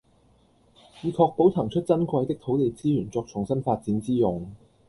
以確保騰出珍貴的土地資源作重新發展之用